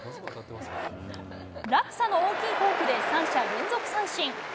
落差の大きいフォークで３者連続三振。